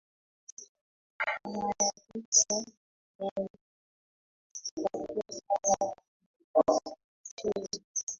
na maafisa wa Ujerumani kwa kosa la uchochezi